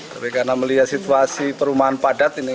tapi karena melihat situasi perumahan padat ini